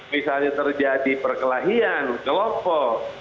misalnya terjadi perkelahian kelompok